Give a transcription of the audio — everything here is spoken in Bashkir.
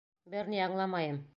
Бер ни аңламайым.